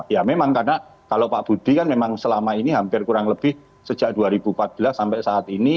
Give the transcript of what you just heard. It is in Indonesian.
ya memang karena kalau pak budi kan memang selama ini hampir kurang lebih sejak dua ribu empat belas sampai saat ini